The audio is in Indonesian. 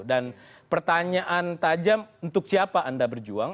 dan pertanyaan tajam untuk siapa anda berjuang